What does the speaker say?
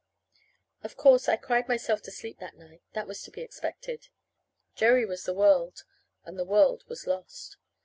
Of course I cried myself to sleep that night. That was to be expected. Jerry was the world; and the world was lost.